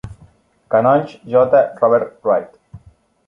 Canonge J. Robert Wright.